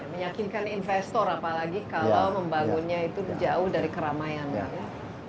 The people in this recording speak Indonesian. meyakinkan investor apalagi kalau membangunnya itu jauh dari keramaian